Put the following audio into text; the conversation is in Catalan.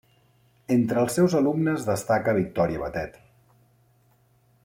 Entre els seus alumnes destaca Victòria Batet.